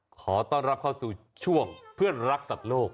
ขอต้อนรับเข้าสู่ช่วงเพื่อนรักสัตว์โลก